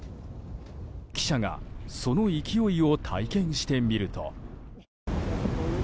記者が、その勢いを体験してみると。